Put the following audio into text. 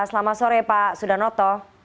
selamat sore pak sudarnoto